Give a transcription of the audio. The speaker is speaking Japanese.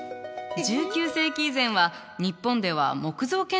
１９世紀以前は日本では木造建築が一般的だったの。